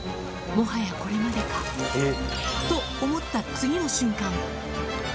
もはやこれまでか。と思った次の瞬間。